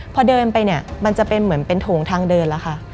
พอเดินไปเนี่ยมันจะเป็นเหมือนเป็นโถงทางเดินแล้วค่ะ